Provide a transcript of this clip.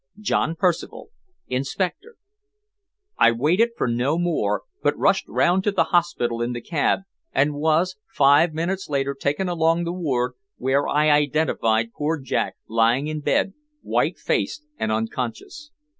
"JOHN PERCIVAL, Inspector." I waited for no more, but rushed round to the hospital in the cab, and was, five minutes later, taken along the ward, where I identified poor Jack lying in bed, white faced and unconscious.